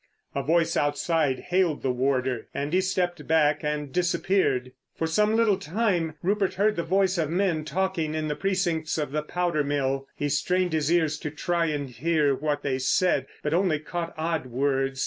A voice outside hailed the warder, and he stepped back—and disappeared. For some little time Rupert heard the voice of men talking in the precincts of the powder mill. He strained his ears to try and hear what they said, but only caught odd words.